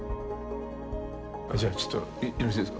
じゃあちょっとよろしいですか？